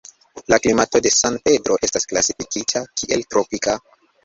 La klimato de San Pedro estas klasifikita kiel tropika.